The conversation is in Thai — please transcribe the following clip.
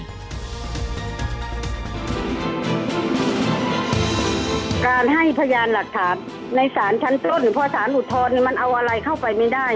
การให้พยานหลักฐานในศาลชั้นต้นพอสารอุทธรณ์มันเอาอะไรเข้าไปไม่ได้